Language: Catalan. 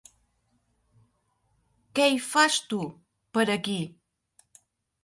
Què hi fas, tu, per aquí?